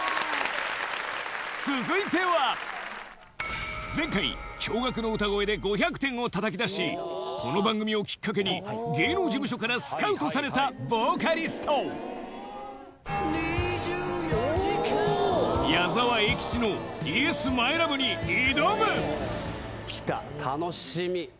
続いては前回驚愕の歌声で５００点をたたき出しこの番組をきっかけに芸能事務所からスカウトされたボーカリストに挑むきた楽しみ！